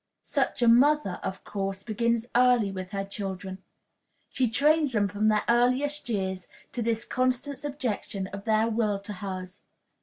Such a mother, of course, begins early with her children. She trains them from their earliest years to this constant subjection of their will to hers.